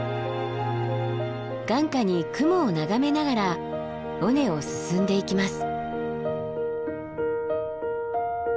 眼下に雲を眺めながら尾根を進んでいきます。